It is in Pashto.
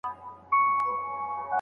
په اولاد به یې د ښکار ګټي خوړلې